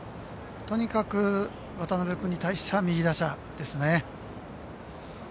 とにかく、渡邊君に対しては右打者ですね。